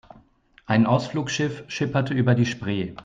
Ein Ausflugsschiff schipperte über die Spree.